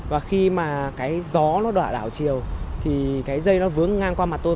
và khi mà cái gió nó đỏ đảo chiều thì cái dây nó vướng ngang qua mặt tôi